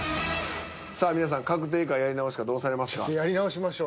さあ皆さん確定かやり直しかどうされますか？